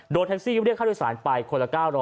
โดยแท็กซี่เรียกค่าโดยสารไปคนละ๙๐๐